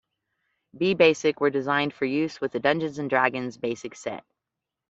B-Basic were designed for use with the "Dungeons and Dragons" Basic set.